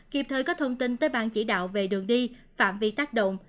kịp thời có thông tin tới ban chỉ đạo về đường đi phạm vi tác động